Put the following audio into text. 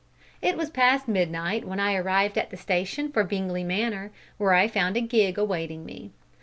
It was past midnight when I arrived at the station for Bingley Manor, where I found a gig awaiting me.